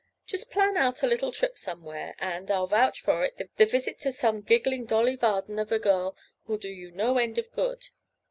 Just plan out a little trip somewhere and, I'll vouch for it, the visit to some giggling Dolly Varden of a girl will do you no end of good.